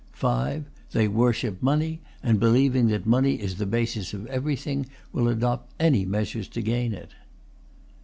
(5) They worship money, and believing that money is the basis of everything, will adopt any measures to gain it.